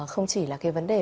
không chỉ là cái vấn đề